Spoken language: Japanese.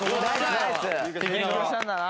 勉強したんだな。